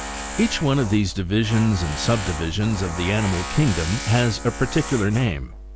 Each one of these divisions and sub divisions of the animal kingdom has a particular name.